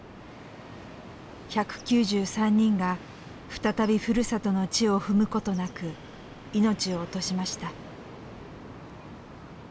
１９３人が再びふるさとの地を踏むことなく命を落としました。